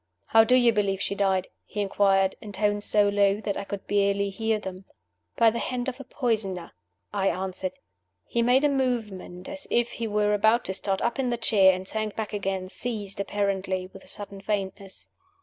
"How do you believe she died?" he inquired, in tones so low that I could barely hear them. "By the hand of a poisoner," I answered. He made a movement as if he were about to start up in the chair, and sank back again, seized, apparently, with a sudden faintness.